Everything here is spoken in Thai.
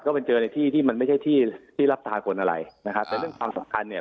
ก็ไปเจอในที่ที่มันไม่ใช่ที่ที่รับทากลอะไรนะครับแต่เรื่องความสำคัญเนี่ย